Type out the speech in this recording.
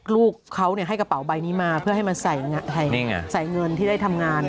ลูกเขาให้กระเป๋าใบนี้มาเพื่อให้มันใส่เงินที่ได้ทำงาน